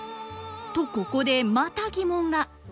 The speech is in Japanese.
とここでまた疑問が。